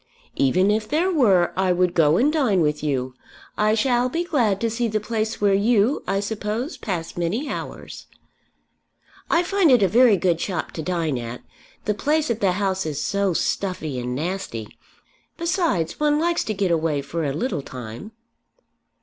"Even if there were I would go and dine with you. I shall be glad to see the place where you, I suppose, pass many hours." "I find it a very good shop to dine at. The place at the House is so stuffy and nasty. Besides, one likes to get away for a little time."